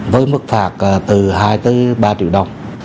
với mức phạt từ hai tới ba triệu đồng